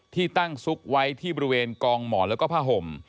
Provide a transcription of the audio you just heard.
ที่ตั้งซุกไว้ที่บริเวณกองหมอนแล้วก็ผ้าห่ม